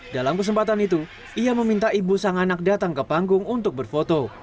dalam kesempatan itu ia meminta ibu sang anak datang ke panggung untuk berfoto